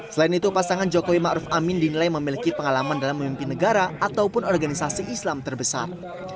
selain itu pasangan jokowi ⁇ maruf ⁇ amin dinilai memiliki pengalaman dalam memimpin negara ataupun organisasi islam terbesar